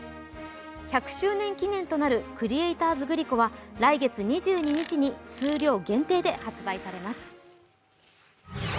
１００周年記念となるクリエイターズグリコは来月２２日に、数量限定で発売されます。